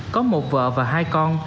có một vợ và hai con